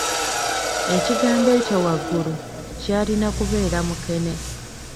Ekigambo ekyo waggulu kyalina kubeera "mukene"